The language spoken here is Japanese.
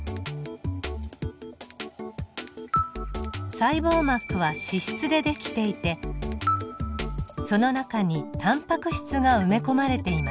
細胞膜は脂質でできていてその中にタンパク質が埋め込まれています。